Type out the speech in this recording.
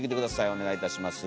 お願いいたします。